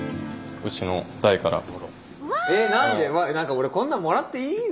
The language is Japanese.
うわっ何か俺こんなんもらっていいの？